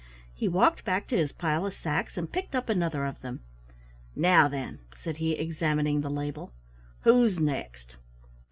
He walked back to his pile of sacks, and picked up another of them. "Now then," said he, examining the label, "who's next?